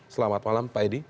selamat malam pak edi